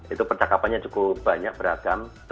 itu percakapannya cukup banyak beragam